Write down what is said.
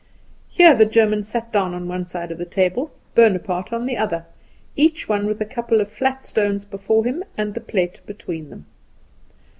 Here the German sat down on one side of the table, Bonaparte on the other; each one with a couple of flat stones before him, and the plate between them.